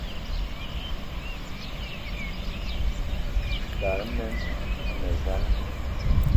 Tara men ane vala.